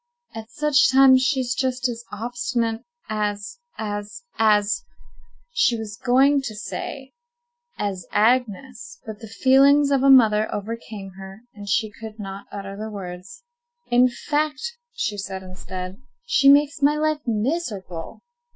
At such times she's just as obstinate as—as—as"— She was going to say "as Agnes," but the feelings of a mother overcame her, and she could not utter the words. "In fact," she said instead, "she makes my life miserable."